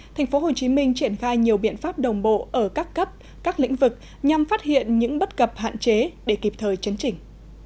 tp hcm triển khai nhiều biện pháp đồng bộ ở các cấp các lĩnh vực nhằm phát hiện những bất cập hạn chế để kịp thời chấn chỉnh